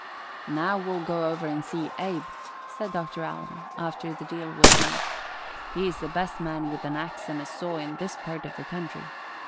"Now we'll go over and see Abe," said Dr. Allen, after the deal was made. "He's the best man with an ax and a saw in this part of the country.